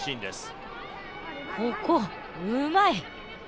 ここ、うまい！